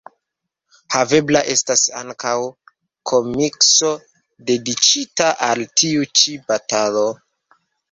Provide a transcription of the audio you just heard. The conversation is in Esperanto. Havebla estas ankaŭ komikso dediĉita al tiu ĉi batalo.